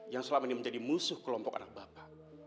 yang selama ini menjadi musuh kelompok anak bapak